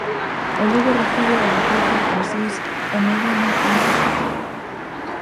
O Lugo recibe o Albacete ás seis e media no Anxo Carro.